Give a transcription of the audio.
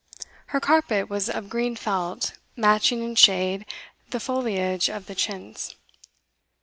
Her carpet was of green felt, matching in shade the foliage of the chintz.